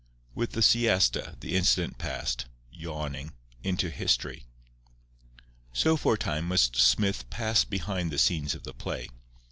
With the siesta the incident passed, yawning, into history. So, for a time, must Smith pass behind the scenes of the play.